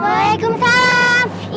bagaimana kamu akan melakukannya